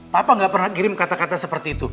papa gak pernah kirim kata kata seperti itu